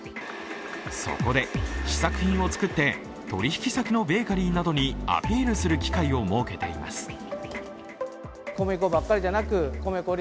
そこで、試作品を作って取引先のベーカリーなどにアピールする機会を設けています。